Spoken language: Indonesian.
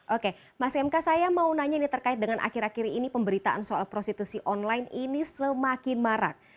oke mas mk saya mau nanya nih terkait dengan akhir akhir ini pemberitaan soal prostitusi online ini semakin marak